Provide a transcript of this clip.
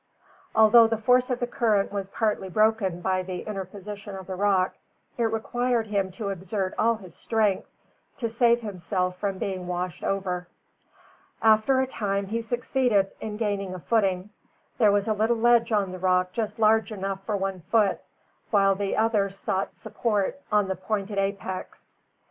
Although the force of the current was partly broken by the interposition of the rock, it required him to exert all his strength to save himself from being washed over. After a time, he succeeded in gaining a footing. There was a little ledge on the rock just large enough for one foot, while the other sought support on the pointed apex.